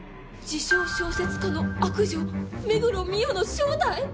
「自称小説家の悪女目黒澪の正体！」